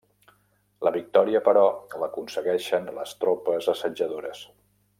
La victòria, però, l'aconsegueixen les tropes assetjadores.